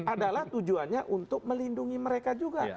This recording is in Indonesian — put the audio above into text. adalah tujuannya untuk melindungi mereka juga